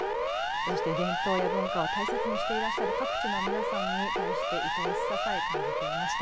そして伝統や文化を大切にしていらっしゃる各地のみなさんに対して愛しささえ感じていました。